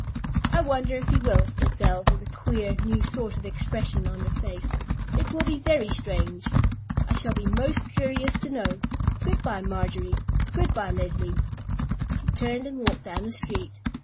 "I wonder if he will," said Belle, with a queer, new sort of expression on her face. "It will be very strange. I shall be most curious to know. Good by, Marjorie—good by, Leslie." She turned and walked down the street.